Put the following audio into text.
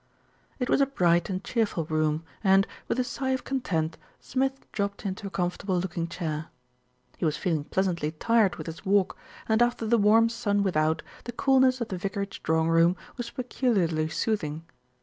It was a bright and cheerful room and, with a sigh of content, Smith dropped into a comfortable looking chair. He was feeling pleasantly tired with his walk, and after the warm sun without, the coolness of the vicarage drawing room was peculiarly soothing.